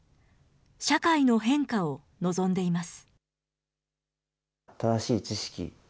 社会の変化を望んでいます。